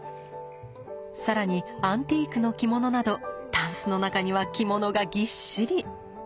更にアンティークの着物などタンスの中には着物がぎっしり。